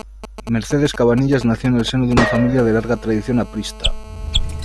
Mercedes Cabanillas nació en el seno de una familia de larga tradición aprista.